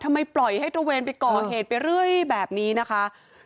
ปล่อยให้ตระเวนไปก่อเหตุไปเรื่อยแบบนี้นะคะ